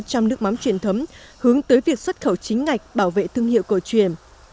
trong nước mắm truyền thống hướng tới việc xuất khẩu chính ngạch bảo vệ thương hiệu cổ truyền